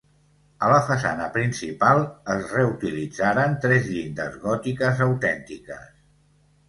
A la façana principal es reutilitzaren tres llindes gòtiques autèntiques.